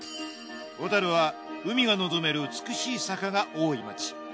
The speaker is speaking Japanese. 小樽は海が望める美しい坂が多い街。